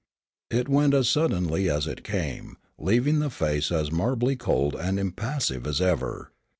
It went as suddenly as it came, leaving the face as marbly cold and impassive as ever.